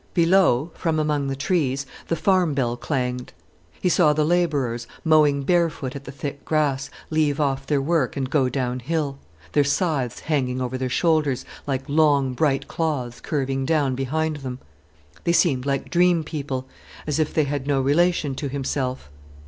Below, from among the trees, the farm bell clanged. He saw the labourers, mowing barefoot at the thick grass, leave off their work and go downhill, their scythes hanging over their shoulders, like long, bright claws curving down behind them. They seemed like dream people, as if they had no relation to himself.